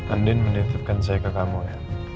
andin menitipkan saya ke kamu ya